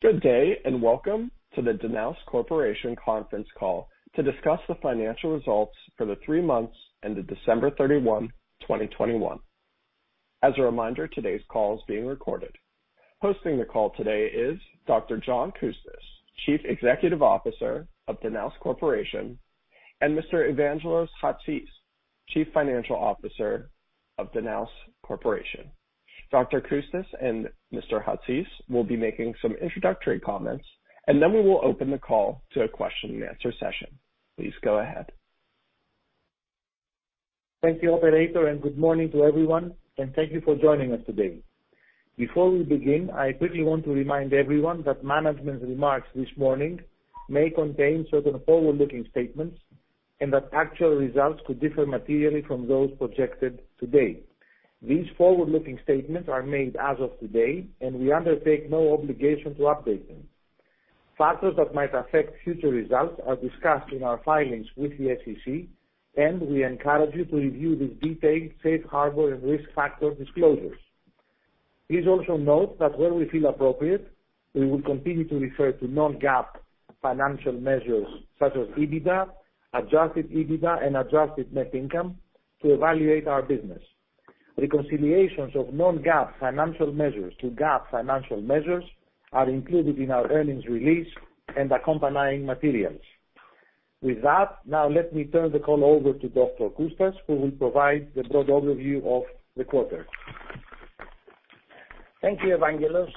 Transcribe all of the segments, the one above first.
Good day, and welcome to the Danaos Corporation conference call to discuss the financial results for the three months ended December 31, 2021. As a reminder, today's call is being recorded. Hosting the call today is Dr. John Coustas, Chief Executive Officer of Danaos Corporation, and Mr. Evangelos Chatzis, Chief Financial Officer of Danaos Corporation. Dr. Coustas and Mr. Chatzis will be making some introductory comments, and then we will open the call to a question-and-answer session. Please go ahead. Thank you, operator, and good morning to everyone, and thank you for joining us today. Before we begin, I quickly want to remind everyone that management's remarks this morning may contain certain forward-looking statements, and that actual results could differ materially from those projected today. These forward-looking statements are made as of today, and we undertake no obligation to update them. Factors that might affect future results are discussed in our filings with the SEC, and we encourage you to review the detailed safe harbor and risk factor disclosures. Please also note that where we feel appropriate, we will continue to refer to non-GAAP financial measures such as EBITDA, adjusted EBITDA, and adjusted net income to evaluate our business. Reconciliations of non-GAAP financial measures to GAAP financial measures are included in our earnings release and accompanying materials. With that, now let me turn the call over to Dr. Coustas, who will provide the broad overview of the quarter. Thank you, Evangelos.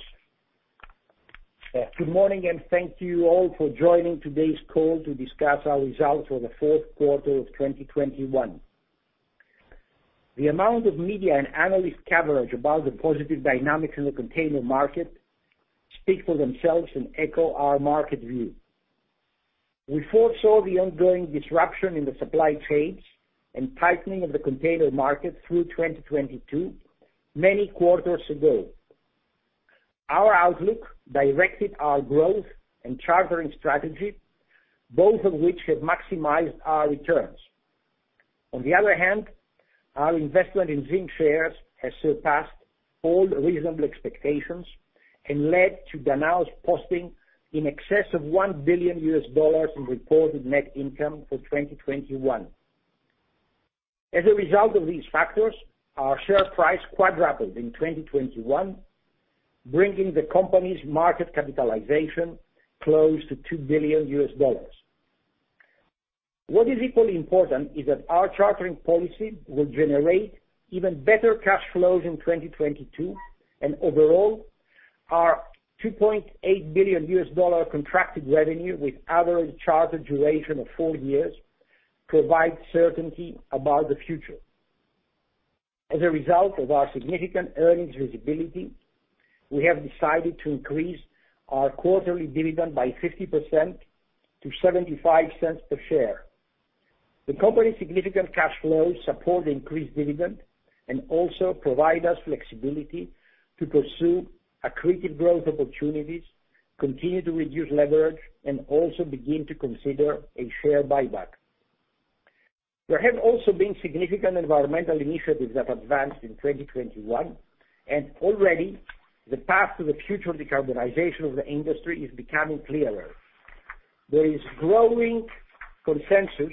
Good morning and thank you all for joining today's call to discuss our results for the fourth quarter of 2021. The amount of media and analyst coverage about the positive dynamics in the container market speak for themselves and echo our market view. We foresaw the ongoing disruption in the supply trades and tightening of the container market through 2022 many quarters ago. Our outlook directed our growth and chartering strategy, both of which have maximized our returns. On the other hand, our investment in ZIM shares has surpassed all reasonable expectations and led to Danaos posting in excess of $1 billion in reported net income for 2021. As a result of these factors, our share price quadrupled in 2021, bringing the company's market capitalization close to $2 billion. What is equally important is that our chartering policy will generate even better cash flows in 2022, and overall, our $2.8 billion contracted revenue with average charter duration of four years provides certainty about the future. As a result of our significant earnings visibility, we have decided to increase our quarterly dividend by 50% to $0.75 per share. The company's significant cash flows support the increased dividend and also provide us flexibility to pursue accretive growth opportunities, continue to reduce leverage, and also begin to consider a share buyback. There have also been significant environmental initiatives that advanced in 2021, and already the path to the future of decarbonization of the industry is becoming clearer. There is growing consensus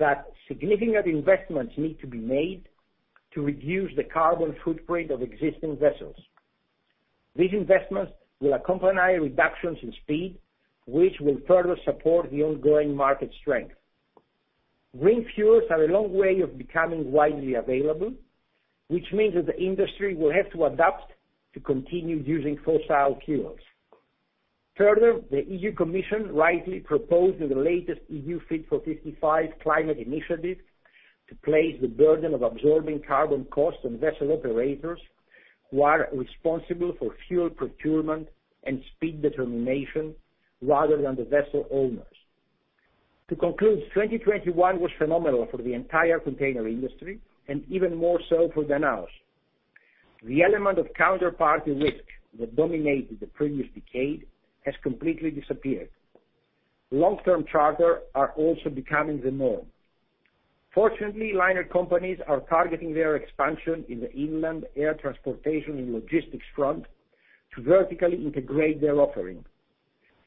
that significant investments need to be made to reduce the carbon footprint of existing vessels. These investments will accompany reductions in speed, which will further support the ongoing market strength. Green fuels have a long way of becoming widely available, which means that the industry will have to adapt to continue using fossil fuels. Further, the European Commission rightly proposed in the latest EU Fit for 55 climate initiative to place the burden of absorbing carbon costs on vessel operators who are responsible for fuel procurement and speed determination rather than the vessel owners. To conclude, 2021 was phenomenal for the entire container industry and even more so for Danaos. The element of counterparty risk that dominated the previous decade has completely disappeared. Long-term charters are also becoming the norm. Fortunately, liner companies are targeting their expansion in the inland and air transportation and logistics front to vertically integrate their offering.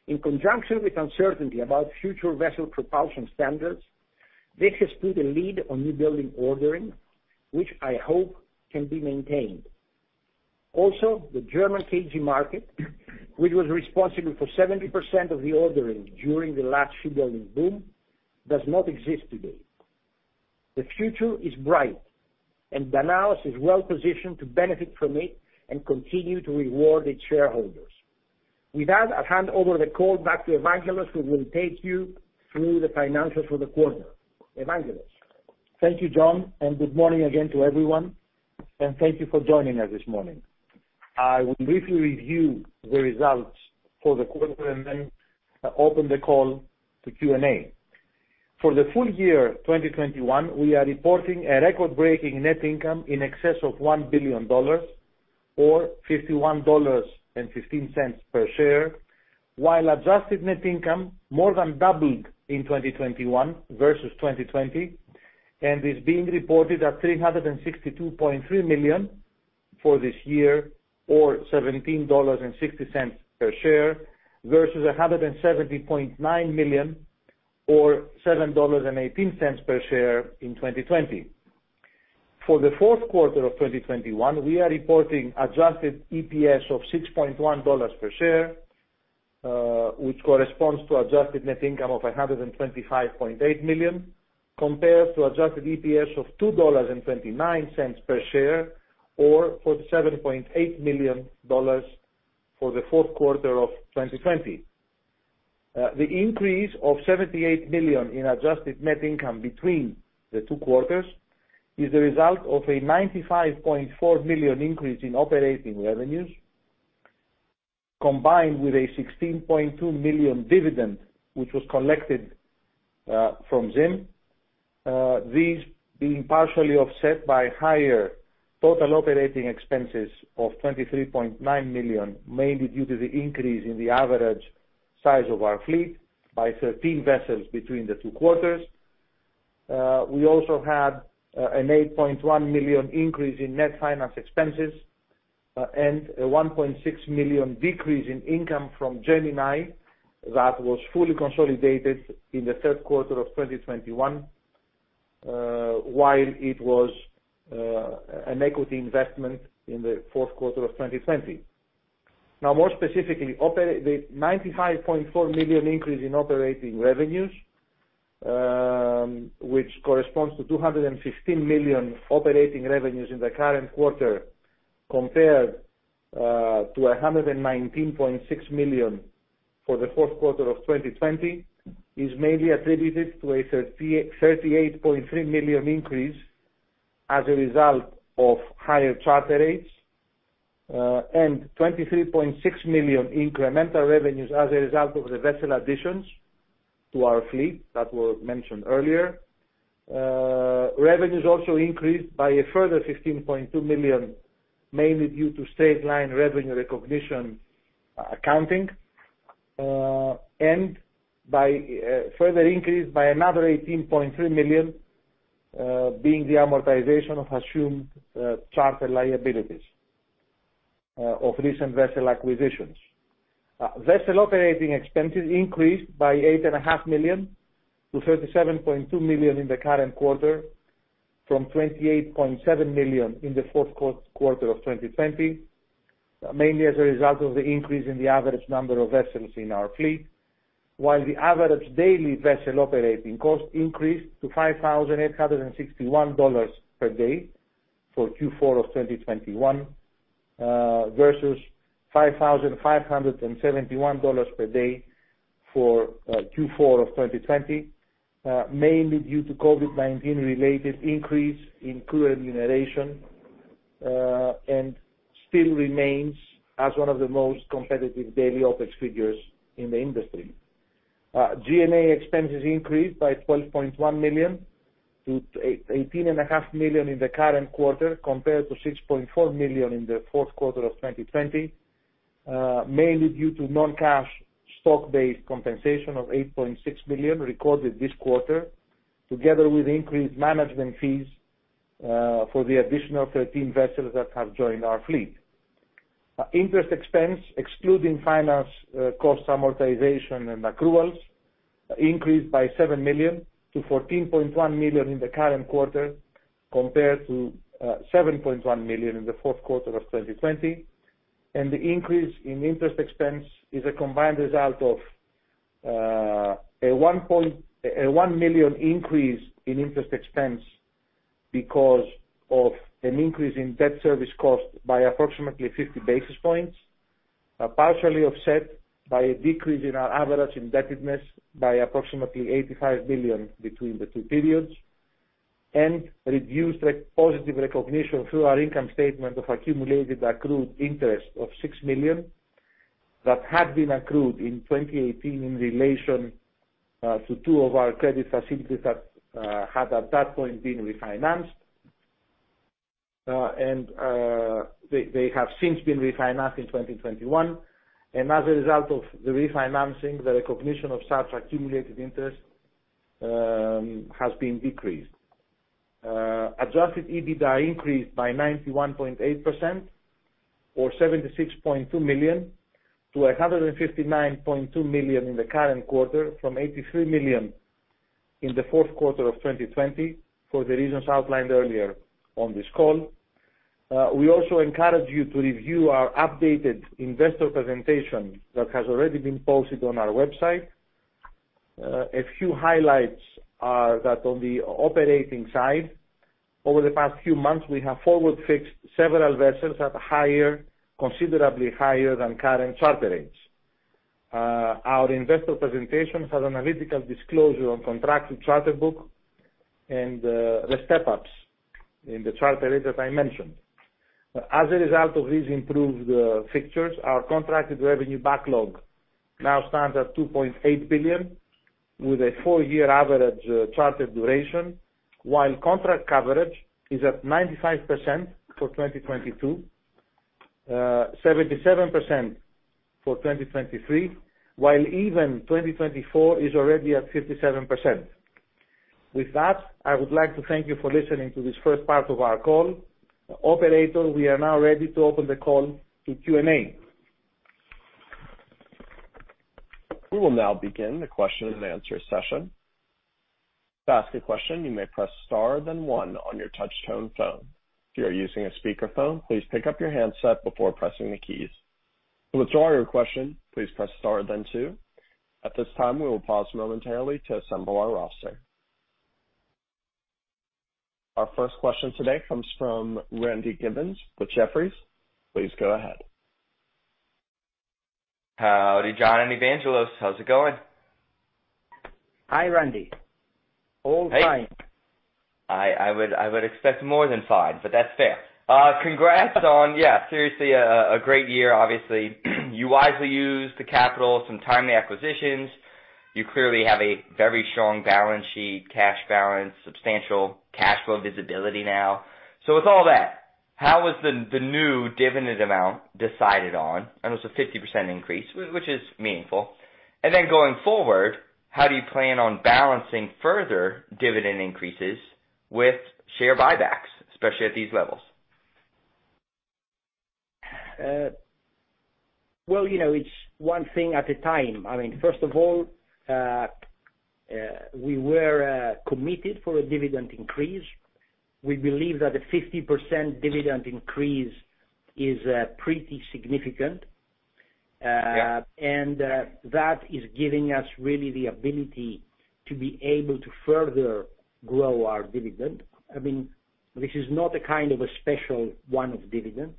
In conjunction with uncertainty about future vessel propulsion standards, this has put a lid on new building ordering, which I hope can be maintained. Also, the German KG market, which was responsible for 70% of the ordering during the last shipbuilding boom, does not exist today. The future is bright, and Danaos is well positioned to benefit from it and continue to reward its shareholders. With that, I'll hand over the call back to Evangelos, who will take you through the financials for the quarter. Evangelos. Thank you, John, and good morning again to everyone, and thank you for joining us this morning. I will briefly review the results for the quarter and then open the call to Q&A. For the full year 2021, we are reporting a record-breaking net income in excess of $1 billion or $51.15 per share, while adjusted net income more than doubled in 2021 versus 2020 and is being reported at $362.3 million for this year or $17.60 per share, versus $170.9 million or $7.18 per share in 2020. For the fourth quarter of 2021, we are reporting adjusted EPS of $6.1 per share, which corresponds to adjusted net income of $125.8 million, compared to adjusted EPS of $2.29 per share or adjusted net income of $7.8 million for the fourth quarter of 2020. The increase of $78 million in adjusted net income between the two quarters is the result of a $95.4 million increase in operating revenues, combined with a $16.2 million dividend, which was collected from ZIM. These being partially offset by higher total operating expenses of $23.9 million, mainly due to the increase in the average size of our fleet by 13 vessels between the two quarters. We also had an $8.1 million increase in net finance expenses, and a $1.6 million decrease in income from Gemini that was fully consolidated in the third quarter of 2021, while it was an equity investment in the fourth quarter of 2020. Now, more specifically, the $95.4 million increase in operating revenues, which corresponds to $215 million operating revenues in the current quarter compared to $119.6 million for the fourth quarter of 2020, is mainly attributed to a $38.3 million increase as a result of higher charter rates, and $23.6 million incremental revenues as a result of the vessel additions to our fleet that were mentioned earlier. Revenues also increased by a further $15.2 million, mainly due to straight line revenue recognition accounting, and by another $18.3 million, being the amortization of assumed charter liabilities of recent vessel acquisitions. Vessel operating expenses increased by $8.5 million to $37.2 million in the current quarter from $28.7 million in the fourth quarter of 2020, mainly as a result of the increase in the average number of vessels in our fleet, while the average daily vessel operating cost increased to $5,861 per day for Q4 of 2021 versus $5,571 per day for Q4 of 2020, mainly due to COVID-19 related increase in crew remuneration, and still remains as one of the most competitive daily OpEx figures in the industry. G&A expenses increased by $12.1 million to $18.5 million in the current quarter, compared to $6.4 million in the fourth quarter of 2020, mainly due to non-cash stock-based compensation of $8.6 million recorded this quarter, together with increased management fees for the additional 13 vessels that have joined our fleet. Interest expense excluding finance cost amortization and accruals increased by $7 million to $14.1 million in the current quarter, compared to $7.1 million in the fourth quarter of 2020. The increase in interest expense is a combined result of a 1 point... a $1 million increase in interest expense because of an increase in debt service cost by approximately 50 basis points, partially offset by a decrease in our average indebtedness by approximately $85 million between the two periods, and positive recognition through our income statement of accumulated accrued interest of $6 million that had been accrued in 2018 in relation to two of our credit facilities that had at that point been refinanced. They have since been refinanced in 2021. As a result of the refinancing, the recognition of such accumulated interest has been decreased. Adjusted EBITDA increased by 91.8% or $76.2 million to $159.2 million in the current quarter, from $83 million in the fourth quarter of 2020, for the reasons outlined earlier on this call. We also encourage you to review our updated investor presentation that has already been posted on our website. A few highlights are that on the operating side, over the past few months we have forward fixed several vessels at higher, considerably higher than current charter rates. Our investor presentation has analytical disclosure on contracted charter book and the step-ups in the charter rate that I mentioned. As a result of these improved fixtures, our contracted revenue backlog now stands at $2.8 billion with a four-year average charter duration, while contract coverage is at 95% for 2022. 77% for 2023, while even 2024 is already at 57%. With that, I would like to thank you for listening to this first part of our call. Operator, we are now ready to open the call to Q&A. We will now begin the question and answer session. To ask a question, you may press star then one on your touch tone phone. If you are using a speaker phone, please pick up your handset before pressing the keys. To withdraw your question, please press star then two. At this time, we will pause momentarily to assemble our roster. Our first question today comes from Randy Giveans with Jefferies. Please go ahead. Howdy, John and Evangelos. How's it going? Hi, Randy. All fine. Hey. I would expect more than fine, but that's fair. Congrats on, yeah, seriously, a great year. Obviously, you wisely used the capital, some timely acquisitions. You clearly have a very strong balance sheet, cash balance, substantial cash flow visibility now. With all that, how was the new dividend amount decided on? I know it's a 50% increase, which is meaningful. Then going forward, how do you plan on balancing further dividend increases with share buybacks, especially at these levels? Well, you know, it's one thing at a time. I mean, first of all, we were committed for a dividend increase. We believe that a 50% dividend increase is pretty significant. Yeah. That is giving us really the ability to be able to further grow our dividend. I mean, this is not a kind of a special one-off dividend.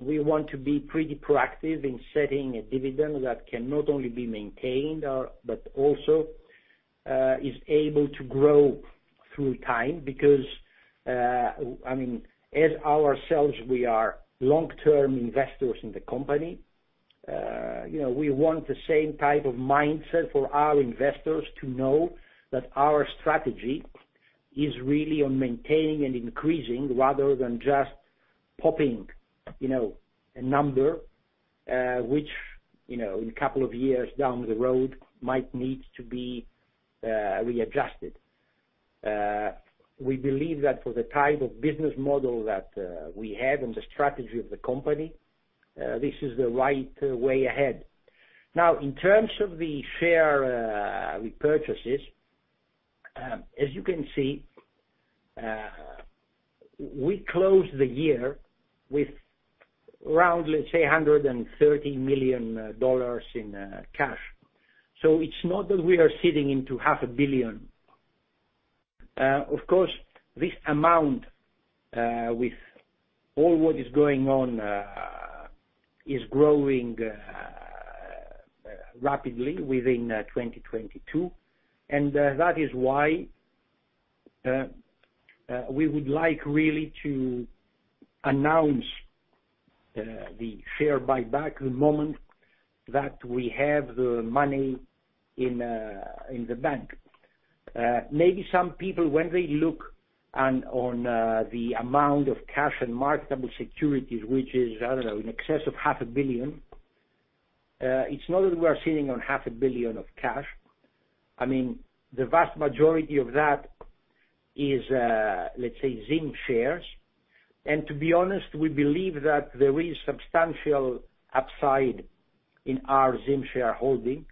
We want to be pretty proactive in setting a dividend that can not only be maintained, but also is able to grow through time. Because, I mean, as ourselves, we are long-term investors in the company. You know, we want the same type of mindset for our investors to know that our strategy is really on maintaining and increasing rather than just popping, you know, a number, which, you know, in a couple of years down the road might need to be readjusted. We believe that for the type of business model that we have and the strategy of the company, this is the right way ahead. Now, in terms of the share repurchases, as you can see, we closed the year with around, let's say, $130 million in cash. It's not that we are sitting on half a billion. Of course, this amount, with all what is going on, is growing rapidly in 2022. That is why we would like really to announce the share buyback the moment that we have the money in the bank. Maybe some people, when they look at the amount of cash and marketable securities, which is, I don't know, in excess of half a billion, it's not that we are sitting on half a billion of cash. I mean, the vast majority of that is, let's say, ZIM shares. To be honest, we believe that there is substantial upside in our ZIM shareholding.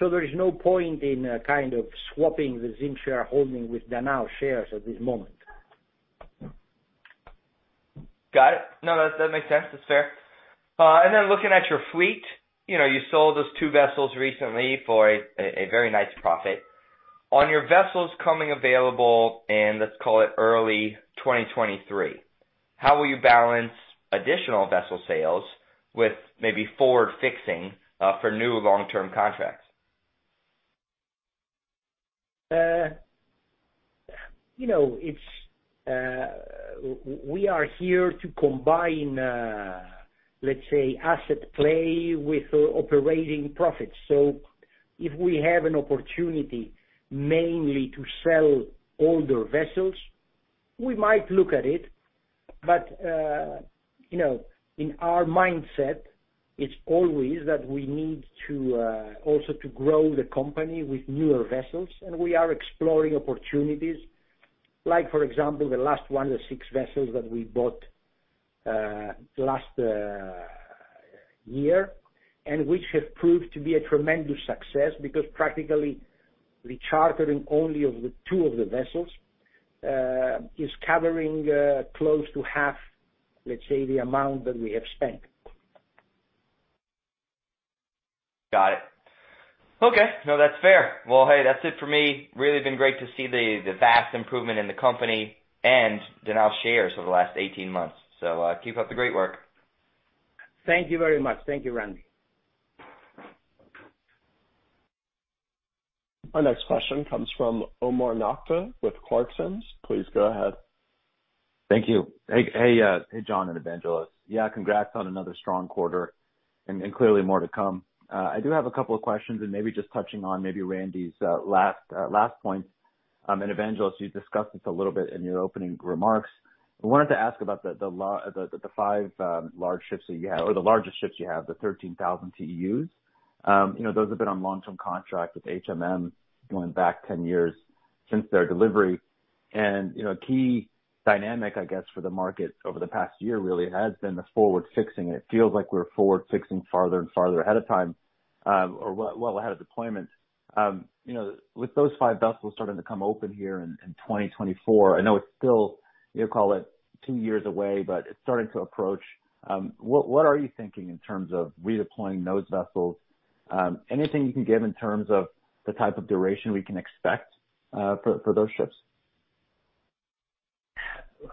There is no point in kind of swapping the ZIM shareholding with Danaos shares at this moment. Got it. No, that makes sense. That's fair. Looking at your fleet, you know, you sold those two vessels recently for a very nice profit. On your vessels coming available in, let's call it early 2023, how will you balance additional vessel sales with maybe forward fixing for new long-term contracts? You know, we are here to combine, let's say, asset play with operating profits. If we have an opportunity mainly to sell older vessels, we might look at it. You know, in our mindset, it's always that we need also to grow the company with newer vessels, and we are exploring opportunities. Like, for example, the last one of the six vessels that we bought last year, and which have proved to be a tremendous success because practically the chartering only of the two of the vessels is covering close to half, let's say, the amount that we have spent. Got it. Okay. No, that's fair. Well, hey, that's it for me. Really been great to see the vast improvement in the company and Danaos shares over the last 18 months. Keep up the great work. Thank you very much. Thank you, Randy. Our next question comes from Omar Nokta with Clarksons. Please go ahead. Thank you. Hey, John and Evangelos. Yeah, congrats on another strong quarter and clearly more to come. I do have a couple of questions and maybe just touching on maybe Randy's last points. Evangelos, you discussed this a little bit in your opening remarks. I wanted to ask about the five large ships that you have or the largest ships you have, the 13,000 TEUs. You know, those have been on long-term contract with HMM going back 10 years since their delivery. You know, a key dynamic, I guess, for the market over the past year really has been the forward fixing. It feels like we're forward fixing farther and farther ahead of time or well ahead of deployment. You know, with those five vessels starting to come open here in 2024, I know it's still, you call it two years away, but it's starting to approach. What are you thinking in terms of redeploying those vessels? Anything you can give in terms of the type of duration we can expect for those ships?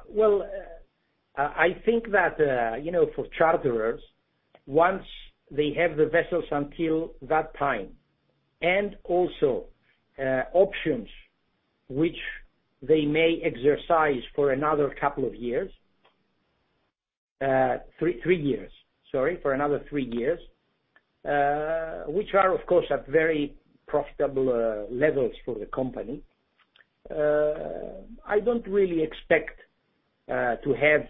Well, I think that, you know, for charterers, once they have the vessels until that time and also options which they may exercise for another three years, which are of course at very profitable levels for the company, I don't really expect to have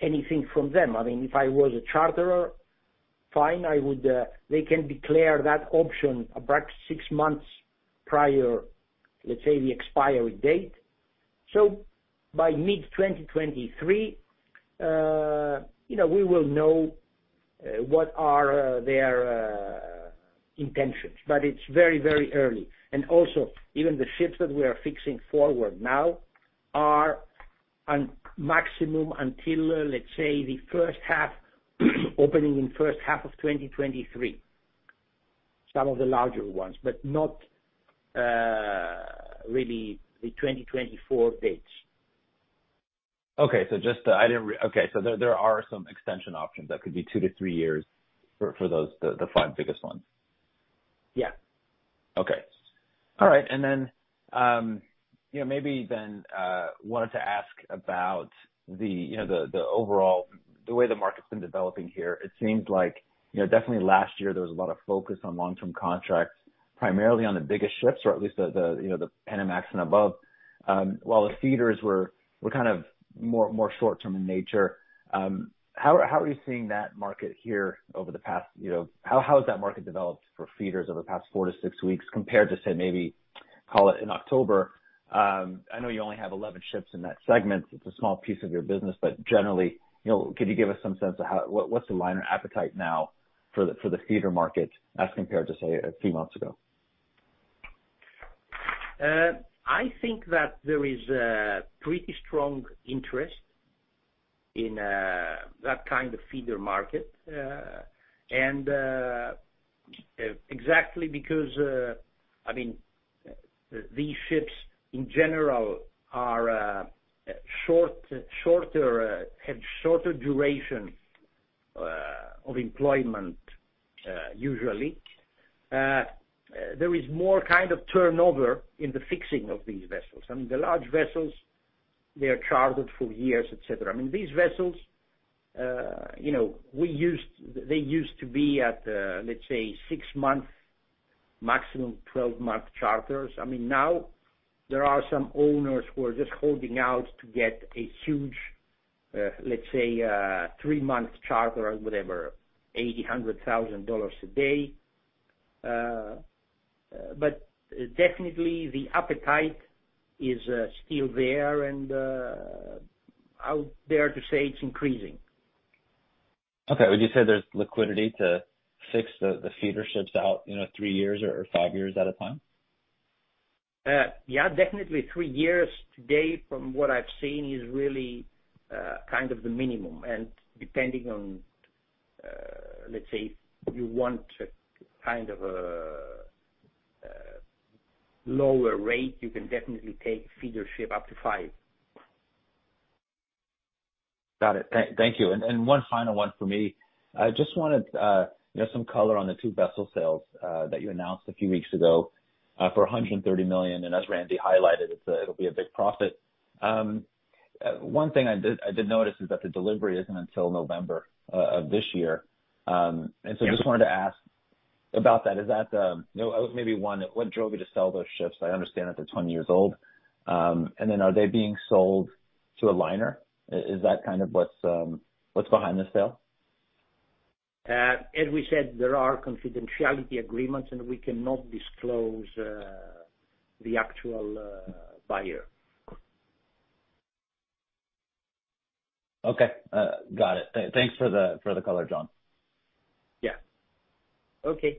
anything from them. I mean, if I was a charterer, fine, they can declare that option about six months prior, let's say, the expiry date. By mid-2023, you know, we will know what are their intentions. It's very early. Also, even the ships that we are fixing forward now are on maximum until, let's say, the first half, opening in first half of 2023, some of the larger ones, but not really the 2024 dates. There are some extension options that could be two to three years for those, the five biggest ones. Yeah. Okay. All right. You know, maybe then wanted to ask about the overall way the market's been developing here. It seems like, you know, definitely last year there was a lot of focus on long-term contracts, primarily on the biggest ships or at least the Panamax and above, while the feeders were kind of more short term in nature. How are you seeing that market here over the past, you know? How has that market developed for feeders over the past four to six weeks compared to, say, maybe call it in October? I know you only have 11 ships in that segment. It's a small piece of your business. Generally, you know, could you give us some sense of how What's the liner appetite now for the feeder market as compared to, say, a few months ago? I think that there is a pretty strong interest in that kind of feeder market. Exactly because I mean these ships in general are shorter have shorter duration of employment usually. There is more kind of turnover in the fixing of these vessels. I mean the large vessels they are chartered for years et cetera. I mean these vessels you know they used to be at let's say six-month maximum 12-month charters. I mean now there are some owners who are just holding out to get a huge let's say three-month charter or whatever $80,000-$100,000 a day. Definitely the appetite is still there and I would dare to say it's increasing. Okay. Would you say there's liquidity to fix the feeder ships out, you know, three years or five years at a time? Yeah, definitely three years to date from what I've seen is really kind of the minimum. Depending on, let's say you want a kind of lower rate, you can definitely take feeder ship up to five. Got it. Thank you. One final one for me. I just wanted, you know, some color on the two vessel sales that you announced a few weeks ago for $130 million. As Randy highlighted, it'll be a big profit. One thing I did notice is that the delivery isn't until November of this year. Yeah. Just wanted to ask about that. Is that, you know, maybe one, what drove you to sell those ships? I understand that they're 20 years old. Are they being sold to a liner? Is that kind of what's behind the sale? As we said, there are confidentiality agreements, and we cannot disclose the actual buyer. Okay. Got it. Thanks for the color, John. Yeah. Okay.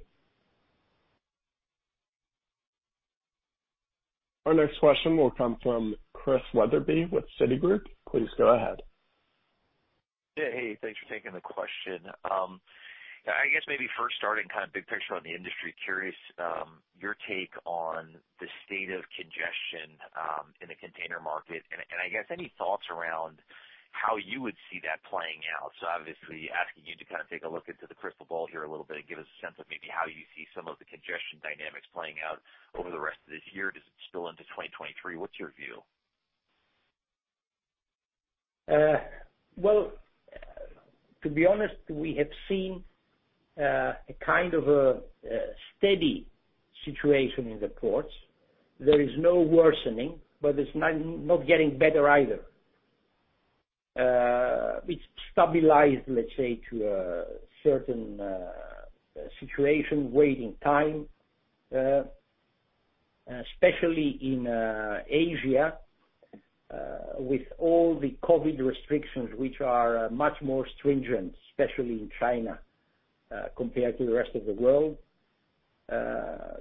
Our next question will come from Chris Wetherbee with Citigroup. Please go ahead. Yeah. Hey, thanks for taking the question. I guess maybe first starting kind of big picture on the industry, curious, your take on the state of congestion in the container market. I guess any thoughts around how you would see that playing out. Obviously asking you to kind of take a look into the crystal ball here a little bit and give us a sense of maybe how you see some of the congestion dynamics playing out over the rest of this year. Does it spill into 2023? What's your view? Well, to be honest, we have seen a kind of a steady situation in the ports. There is no worsening, but it's not getting better either. It's stabilized, let's say, to a certain situation, waiting time, especially in Asia, with all the COVID-19 restrictions, which are much more stringent, especially in China, compared to the rest of the world.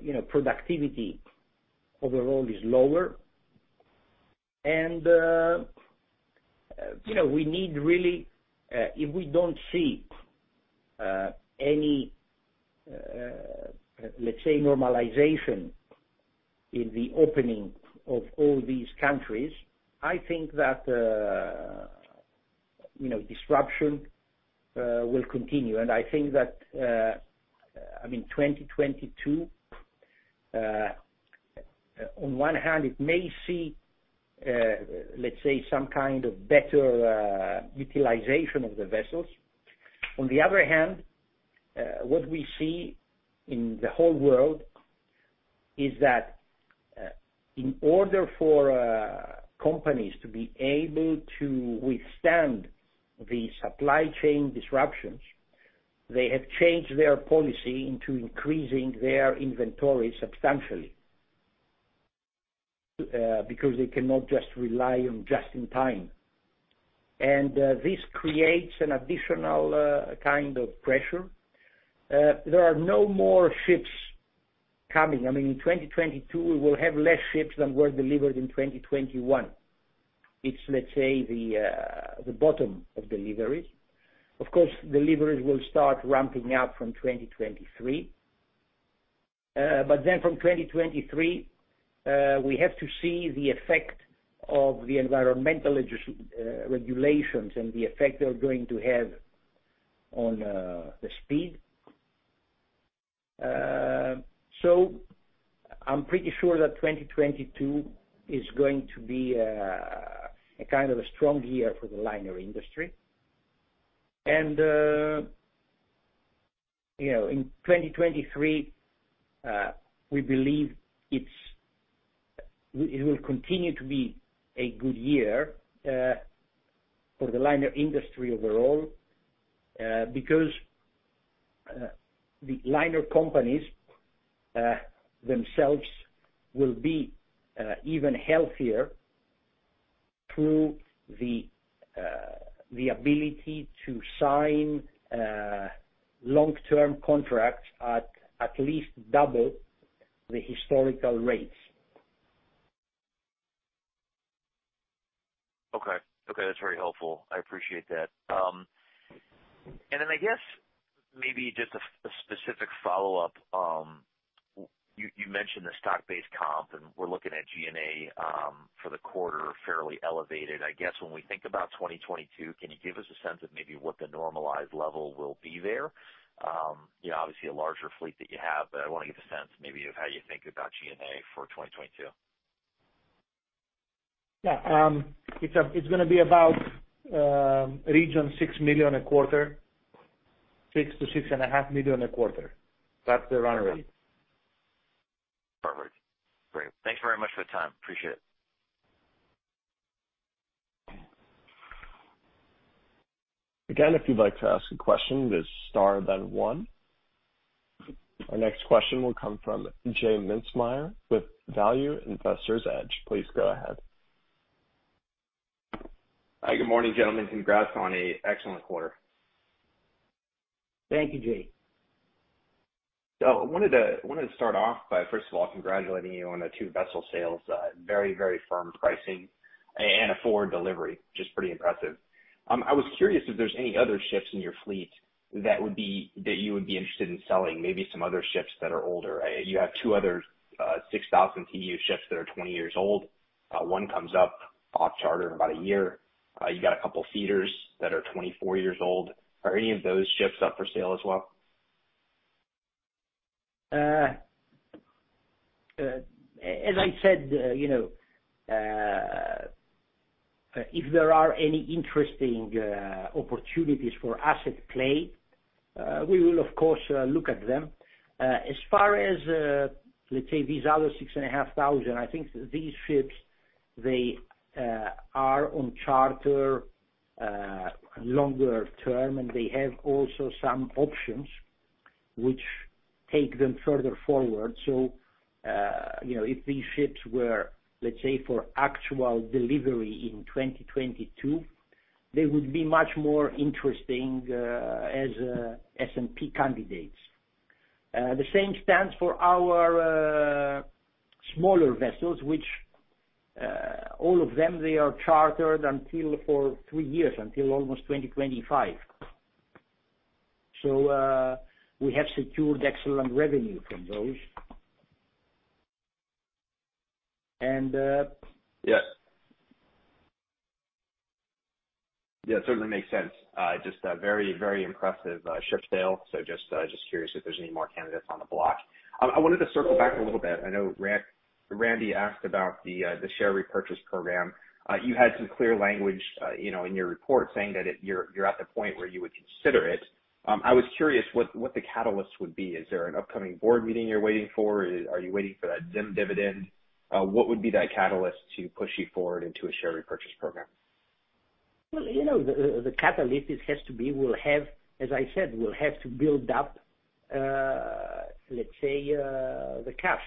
You know, productivity overall is lower. You know, we need really if we don't see any, let's say, normalization in the opening of all these countries. I think that, you know, disruption will continue. I think that, I mean, 2022, on one hand it may see, let's say, some kind of better utilization of the vessels. On the other hand, what we see in the whole world is that, in order for companies to be able to withstand the supply chain disruptions, they have changed their policy into increasing their inventory substantially. Because they cannot just rely on just-in-time. This creates an additional kind of pressure. There are no more ships coming. I mean, in 2022, we will have less ships than were delivered in 2021. It's, let's say, the bottom of deliveries. Of course, deliveries will start ramping up from 2023. From 2023, we have to see the effect of the environmental regulations and the effect they're going to have on the speed. I'm pretty sure that 2022 is going to be a kind of a strong year for the liner industry. You know, in 2023, we believe it will continue to be a good year for the liner industry overall, because the liner companies themselves will be even healthier through the ability to sign long-term contracts at least double the historical rates. Okay. Okay, that's very helpful. I appreciate that. I guess maybe just a specific follow-up. You mentioned the stock-based comp, and we're looking at G&A for the quarter fairly elevated. I guess when we think about 2022, can you give us a sense of maybe what the normalized level will be there? You know, obviously a larger fleet that you have, but I wanna get the sense maybe of how you think about G&A for 2022. It's gonna be about running $6 million a quarter, $6 million-$6.5 million a quarter. That's the run rate. Perfect. Great. Thanks very much for the time. Appreciate it. Our next question will come from J. Mintzmyer with Value Investor's Edge. Please go ahead. Hi, good morning, gentlemen. Congrats on an excellent quarter. Thank you, J. I wanted to start off by, first of all, congratulating you on the two vessel sales. Very, very firm pricing and a forward delivery, which is pretty impressive. I was curious if there's any other ships in your fleet that you would be interested in selling, maybe some other ships that are older. You have two other 6,000 TEU ships that are 20 years old. One comes up off charter in about a year. You got a couple feeders that are 24 years old. Are any of those ships up for sale as well? As I said, you know, if there are any interesting opportunities for asset play, we will of course look at them. As far as, let's say these other 6,500, I think these ships, they are on charter longer term, and they have also some options which take them further forward. You know, if these ships were, let's say, for actual delivery in 2022, they would be much more interesting as S&P candidates. The same stands for our smaller vessels, which all of them they are chartered until for three years, until almost 2025. We have secured excellent revenue from those. Yeah, it certainly makes sense. Just a very, very impressive ship sale. Just curious if there's any more candidates on the block. I wanted to circle back a little bit. I know Randy asked about the share repurchase program. You had some clear language, you know, in your report saying that it you're at the point where you would consider it. I was curious what the catalyst would be. Is there an upcoming board meeting you're waiting for? Are you waiting for that ZIM dividend? What would be that catalyst to push you forward into a share repurchase program? Well, you know, the catalyst has to be as I said, we'll have to build up, let's say, the cash.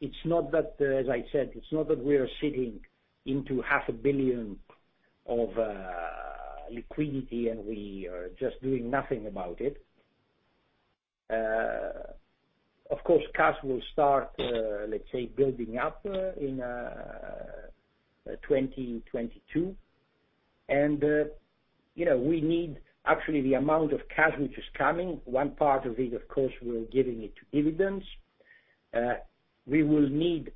It's not that, as I said, it's not that we are sitting on half a billion dollars of liquidity, and we are just doing nothing about it. Of course, cash will start, let's say, building up in 2022. You know, we actually need the amount of cash which is coming. One part of it, of course, we're giving it to dividends. We will need,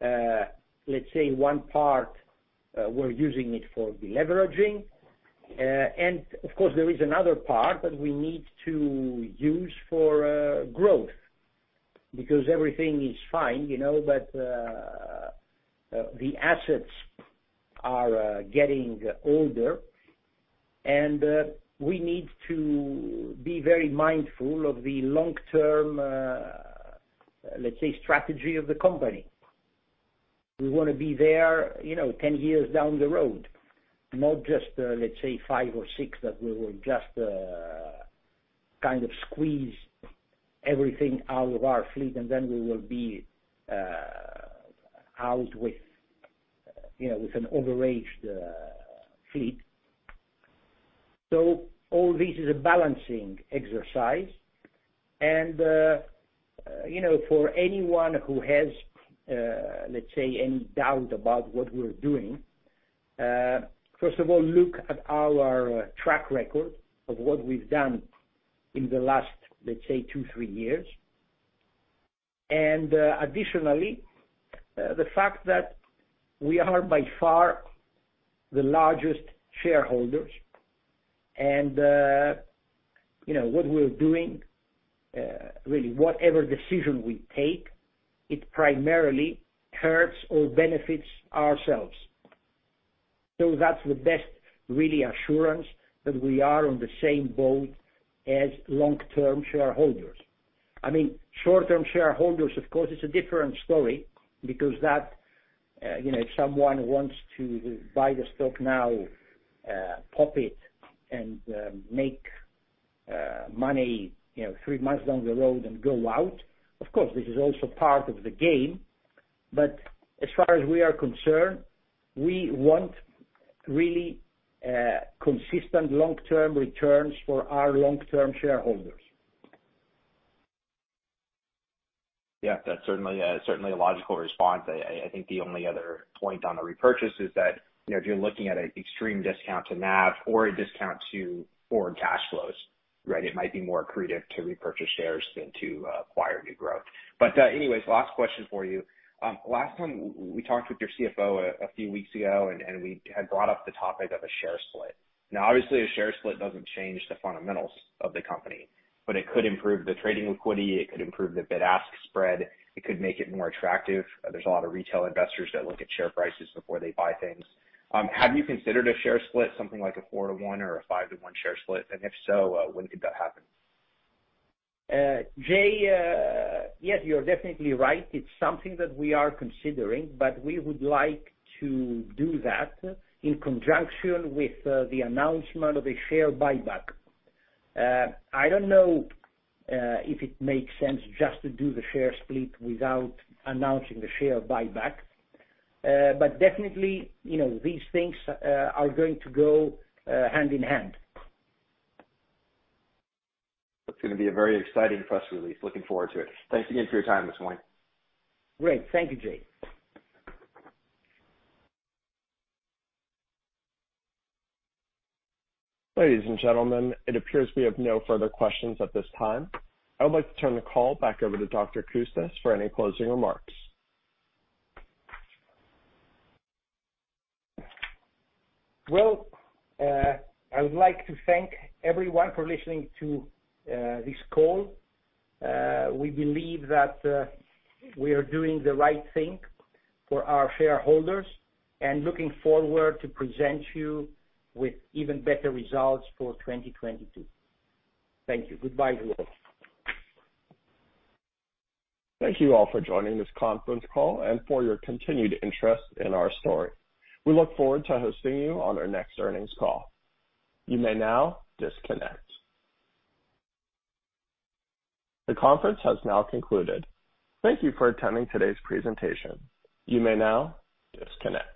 let's say, one part we're using it for deleveraging. Of course, there is another part that we need to use for growth because everything is fine, you know, but the assets are getting older, and we need to be very mindful of the long-term, let's say, strategy of the company. We wanna be there, you know, 10 years down the road, not just, let's say five or six, that we will just kind of squeeze everything out of our fleet, and then we will be out with, you know, with an overaged fleet. All this is a balancing exercise. You know, for anyone who has, let's say, any doubt about what we're doing, first of all look at our track record of what we've done in the last, let's say, two, three years. Additionally, the fact that we are by far the largest shareholders. You know, what we're doing, really whatever decision we take, it primarily hurts or benefits ourselves. That's the best really assurance that we are on the same boat as long-term shareholders. I mean, short-term shareholders, of course, it's a different story because that, you know, if someone wants to buy the stock now, pop it and, make money, you know, three months down the road and go out, of course, this is also part of the game. As far as we are concerned, we want really, consistent long-term returns for our long-term shareholders. Yeah, that's certainly a logical response. I think the only other point on the repurchase is that, you know, if you're looking at an extreme discount to NAV or a discount to forward cash flows, right? It might be more accretive to repurchase shares than to acquire new growth. Anyways, last question for you. Last time, we talked with your CFO a few weeks ago, and we had brought up the topic of a share split. Now, obviously, a share split doesn't change the fundamentals of the company, but it could improve the trading liquidity. It could improve the bid-ask spread. It could make it more attractive. There's a lot of retail investors that look at share prices before they buy things. Have you considered a share split, something like a four-to-one or a five-to-one share split? If so, when could that happen? Jay, yes, you're definitely right. It's something that we are considering, but we would like to do that in conjunction with the announcement of a share buyback. I don't know if it makes sense just to do the share split without announcing the share buyback. Definitely, you know, these things are going to go hand in hand. That's gonna be a very exciting press release. Looking forward to it. Thanks again for your time this morning. Great. Thank you, J. Ladies and gentlemen, it appears we have no further questions at this time. I would like to turn the call back over to Dr. Coustas for any closing remarks. Well, I would like to thank everyone for listening to this call. We believe that we are doing the right thing for our shareholders, and looking forward to present you with even better results for 2022. Thank you. Goodbye to you all. Thank you all for joining this conference call and for your continued interest in our story. We look forward to hosting you on our next earnings call. You may now disconnect. The conference has now concluded. Thank you for attending today's presentation. You may now disconnect.